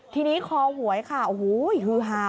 ทีนี้คอหวยค่ะโอ้โหฮือฮา